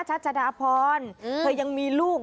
ชัชดาพรเธอยังมีลูก